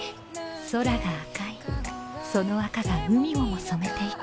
空が赤いその赤が海をも染めていく。